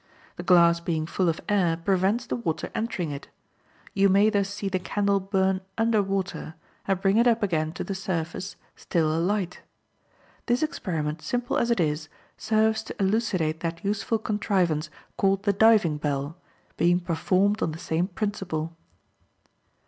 The glass being full of air prevents the water entering it. You may thus see the candle burn under water, and bring it up again to the surface, still alight. This experiment, simple as it is, serves to elucidate that useful contrivance called the diving bell, being performed on the same principle.